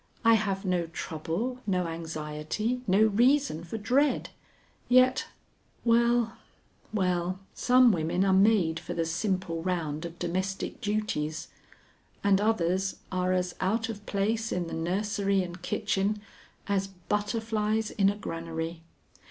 I have no trouble, no anxiety, no reason for dread; yet Well, well, some women are made for the simple round of domestic duties, and others are as out of place in the nursery and kitchen as butterflies in a granary.